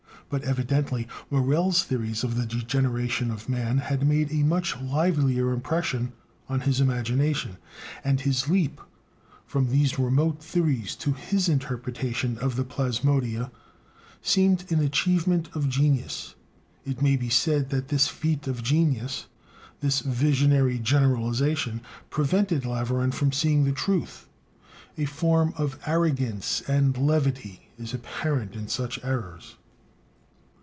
But evidently Morel's theories of the degeneration of man had made a much livelier impression on his imagination; and his leap from these remote theories to his interpretation of the plasmodia seemed an achievement of "genius." It may be said that this "feat of genius," this visionary generalization, prevented Laveran from seeing the truth. A form of arrogance and levity is apparent in such errors.